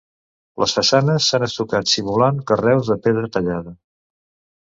Les façanes s'han estucat simulant carreus de pedra tallada.